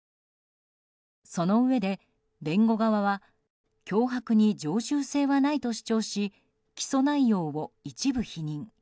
そのうえで弁護側は脅迫に常習性はないと主張し起訴内容を一部否認。